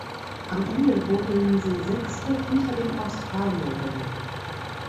Am Ende wurden sie Sechste hinter den Australierinnen.